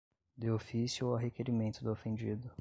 De ofício ou a requerimento do ofendido